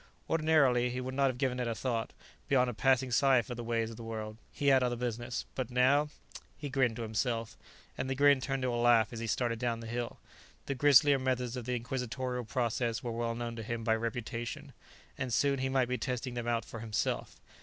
Ordinarily, he would not have given it a thought, beyond a passing sigh for the ways of the world; he had other business. But now He grinned to himself, and the grin turned to a laugh as he started down the hill. The grislier methods of the Inquisitorial process were well known to him by reputation, and soon he might be testing them out for himself.